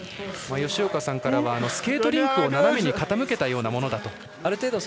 吉岡さんからはスケートリンクを斜めに傾けたようなものだと。